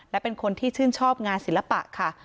และเป็นคนที่ชื่นชอบงานศิลปะค่ะ